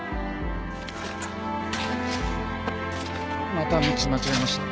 また道間違えました？